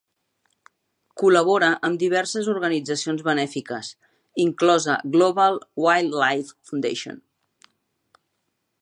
Col·labora amb diverses organitzacions benèfiques, inclosa Global Wildlife Fund.